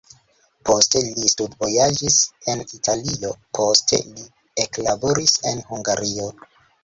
Poste li studvojaĝis en Italio, poste li eklaboris en Hungario.